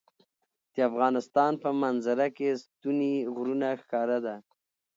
د افغانستان په منظره کې ستوني غرونه ښکاره ده.